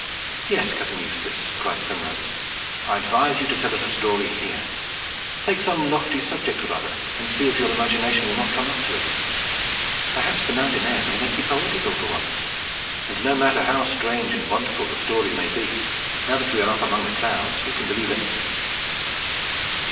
"Yes, Cousin Eustace," cried Primrose, "I advise you to tell us a story here. Take some lofty subject or other, and see if your imagination will not come up to it. Perhaps the mountain air may make you poetical, for once. And no matter how strange and wonderful the story may be, now that we are up among the clouds, we can believe anything."